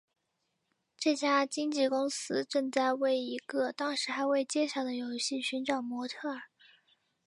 这家经纪公司正在为一个当时还未揭晓的游戏寻找模特儿。